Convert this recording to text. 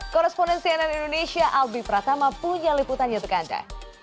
korrespondensi ann indonesia albi pratama punya liputan yaitu kata